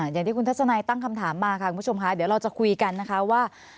อย่างที่คุณทัศนัยตั้งคำถามมาค่ะคุณผู้ชมค่ะเดี๋ยวเราจะคุยกันนะคะว่า